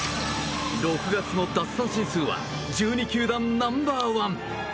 ６月の奪三振数は１２球団ナンバーワン！